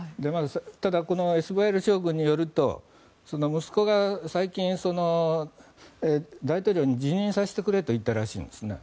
ただ、ＳＶＲ将軍によると息子が最近大統領に辞任させてくれって言ったらしいんですね。